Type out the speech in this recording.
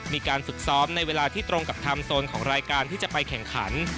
มีการฝึกซ้อมในเวลาที่ตรงกับไทม์โซนของรายการที่จะไปแข่งขัน